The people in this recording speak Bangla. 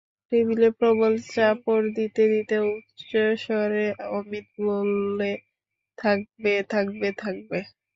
টেবিলে প্রবল চাপড় দিতে দিতে উচ্চৈঃস্বরে অমিত বললে, থাকবে, থাকবে থাকবে।